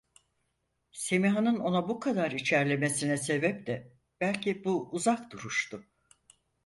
Semiha’nın ona bu kadar içerlemesine sebep de belki bu uzak duruştu.